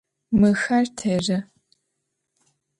Мыхэр тэры.